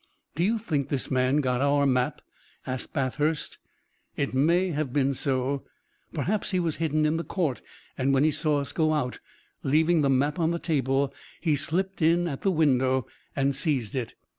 "Do you think this man got our map?" asked Bathurst. "It may have been so. Perhaps he was hidden in the court and when he saw us go out, leaving the map on the table, he slipped in at the window and seized it."